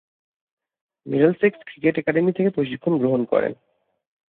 Middlesex cricket academy থেকে প্রশিক্ষণ গ্রহণ করেন।